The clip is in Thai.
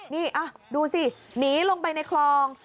นี่ดูสิหนีลงไปในคลอง